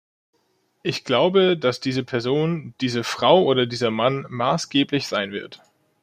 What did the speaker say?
Ich glaube, dass diese Person, diese Frau oder dieser Mann, maßgeblich sein wird.